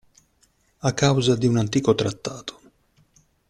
A causa di un antico trattato.